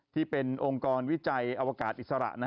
ที่เป็นองค์กรวิจัยอวกาศอิสระ